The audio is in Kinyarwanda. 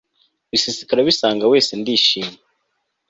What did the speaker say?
bisesekara binsanga wese ndishima